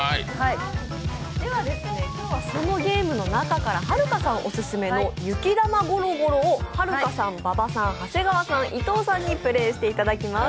今日はそのゲームの中からはるかさんオススメのゆきだまゴロゴロをはるかさん馬場さん、長谷川さん、伊藤さんにプレーしていただきます。